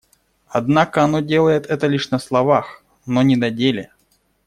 Однако оно делает это лишь на словах, но не на деле.